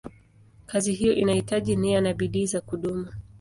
Kazi hiyo inahitaji nia na bidii za kudumu.